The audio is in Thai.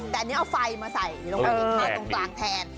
แต่อันนี้เอาไฟมาใส่ลงไปในผ้าตรงกลางแทน